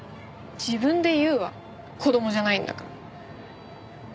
自分で言うわ子供じゃないんだから。